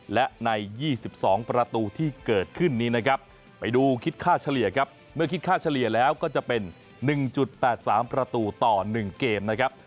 และใน๒๒ประตูที่เกิดขึ้นนี้นะครับไปดูคิดค่าเฉลี่ยครับเมื่อคิดค่าเฉลี่ยแล้วก็จะเป็น๑๘๓ประตูต่อ๑เกมนะครับ